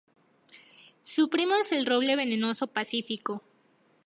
Su primo es el roble venenoso pacífico.